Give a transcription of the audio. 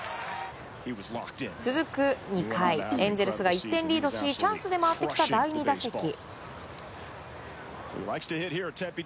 続く２回エンゼルスが１点リードしチャンスで回ってきた第２打席。